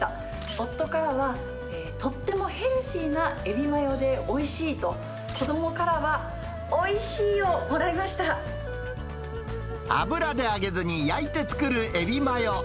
夫からは、とってもヘルシーなエビマヨでおいしいと、子どもからはおいしい油で揚げずに焼いて作るエビマヨ。